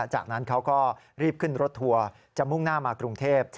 จากนั้นเขาก็รีบขึ้นรถทัวร์จะมุ่งหน้ามากรุงเทพ